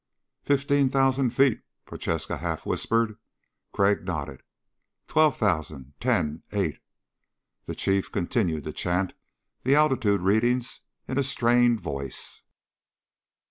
"Fifteen thousand feet," Prochaska half whispered. Crag nodded. "Twelve thousand ... ten ... eight...." The Chief continued to chant the altitude readings in a strained voice.